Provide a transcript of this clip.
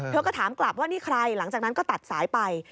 เธอก็ถามกลับว่านี่ใครหลังจากนั้นก็ตัดสายไป